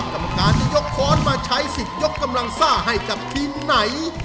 กรรมการจะยกค้อนมาใช้สิทธิ์ยกกำลังซ่าให้กับทีมไหน